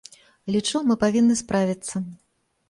Лічу, мы павінны справіцца.